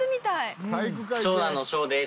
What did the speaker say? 長男の翔です。